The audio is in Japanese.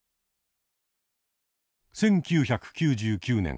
１９９９年。